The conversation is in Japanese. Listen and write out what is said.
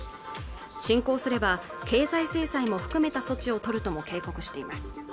侵攻すれば経済制裁も含めた措置を取るとも警告しています